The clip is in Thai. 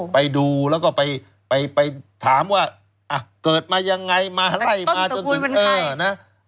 ไปดูแล้วก็ไปถามว่าเกิดมายังไงต้นตระกูลเป็นใคร